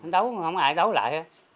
đấu không có ai đấu lại